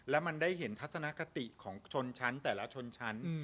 แล้วมันได้เห็นทัศนคติของชนชั้นแต่ละชนชั้น